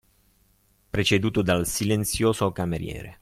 Preceduto dal silenzioso cameriere